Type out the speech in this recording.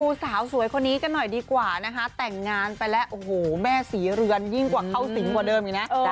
สาวสวยคนนี้กันหน่อยดีกว่านะคะแต่งงานไปแล้วโอ้โหแม่ศรีเรือนยิ่งกว่าเข้าสิงกว่าเดิมอีกนะ